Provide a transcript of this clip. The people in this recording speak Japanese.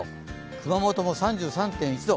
熊本も３３．１度。